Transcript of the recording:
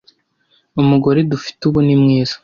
umugore dufite ubu ni mwiza